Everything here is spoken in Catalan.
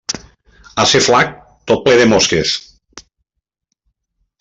Ase flac, tot ple de mosques.